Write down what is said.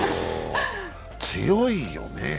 強いよね。